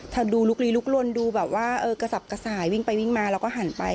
ถ้าดูลุกลีลุกลนดูแบบว่ากระสับกระส่ายวิ่งไปวิ่งมาแล้วก็หันไป